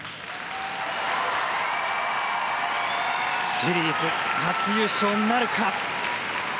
シリーズ初優勝なるか。